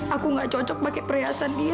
aku nggak cocok pake perhiasan dia